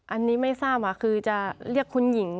อันนี้ไม่ทราบคือจะเรียกคุณหญิง